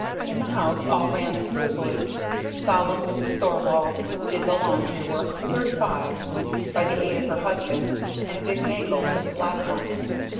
In the house all ran smoothly. Solemn Mrs. Thorvald did the laundry work for thirty five by the aid of her husband and a big mangle for the "flat work."